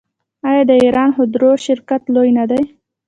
آیا د ایران خودرو شرکت لوی نه دی؟